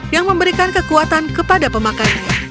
yang memberikan kekuatan kepada pemakainya